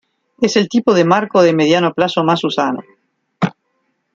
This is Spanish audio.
Es el tipo de Marco de Mediano Plazo más usado.